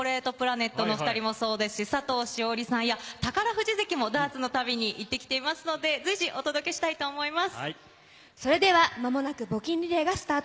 今回、私たちの他にもチョコレートプラネットのお２人もそうですし、佐藤栞里さんや宝富士関もダーツの旅に行ってきていますので、随時お届けしたいと思います。